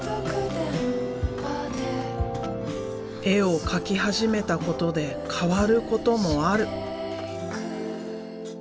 絵を描き始めたことで変わることもある。